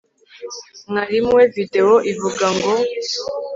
mwarimu we videwo ivuga ngo